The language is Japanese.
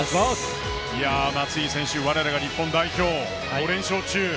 松井選手、我らが日本代表５連勝中。